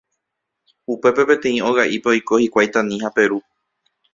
Upépe peteĩ oga'ípe oiko hikuái Tani ha Peru